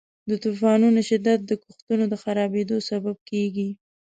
د طوفانونو شدت د کښتونو د خرابیدو سبب کیږي.